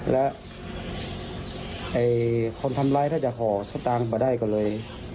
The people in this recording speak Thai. แล้วคนทำร้ายถ้าจะขอชะตางมาได้ก็เลย